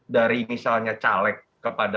dari misalnya caleg kepada